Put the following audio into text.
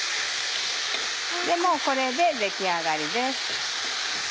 もうこれで出来上がりです。